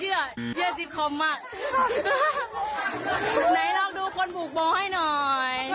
เยื่อสิบคอมบ้างไหนลองดูคนผูกบ่อให้หน่อย